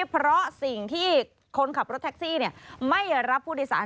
เพราะสิ่งที่คนขับรถแท็กซี่ไม่รับผู้โดยสาร